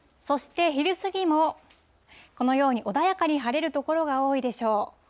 そして昼過ぎも、このように穏やかに晴れる所が多いでしょう。